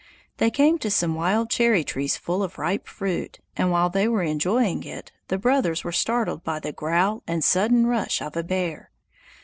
They came to some wild cherry trees full of ripe fruit, and while they were enjoying it, the brothers were startled by the growl and sudden rush of a bear.